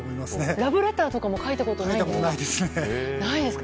ラブレターとかも書いたことないですか？